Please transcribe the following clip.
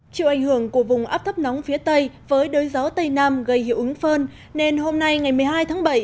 chịu ảnh hưởng của vùng áp thấp nóng phía tây với đới gió tây nam gây hiệu ứng phơn nên hôm nay ngày một mươi hai tháng bảy